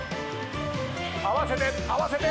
合わせて合わせて。